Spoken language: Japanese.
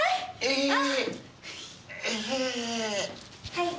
はい。